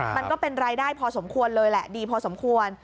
มันก็เป็นรายได้พอสมควรเลยแหละดีพอสมควร